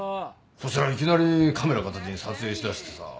そしたらいきなりカメラ片手に撮影しだしてさ。